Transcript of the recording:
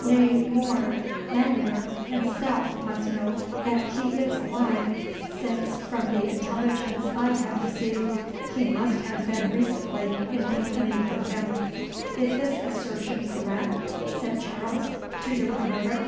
Nay more, Lanyere himself must know that he is alive, since, from the intelligence I have received, he must have been recently in company with him." "Is this assertion correct?" said Charles, to the promoter.